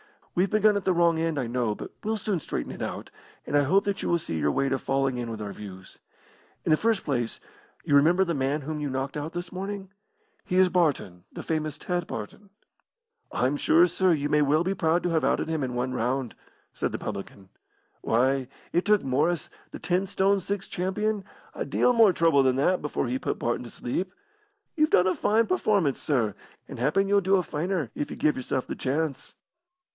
"We've begun at the wrong end, I know, but we'll soon straighten it out, and I hope that you will see your way to falling in with our views. In the first place, you remember the man whom you knocked out this morning? He is Barton the famous Ted Barton." "I'm sure, sir, you may well be proud to have outed him in one round," said the publican. "Why, it took Morris, the ten stone six champion, a deal more trouble than that before he put Barton to sleep. You've done a fine performance, sir, and happen you'll do a finer, if you give yourself the chance."